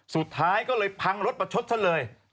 สุดท้ายก็เลยพังรถประชดซะเลย